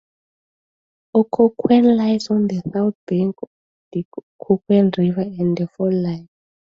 Occoquan lies on the south bank of the Occoquan River at the fall line.